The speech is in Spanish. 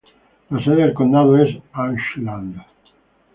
La sede del condado es Ashland.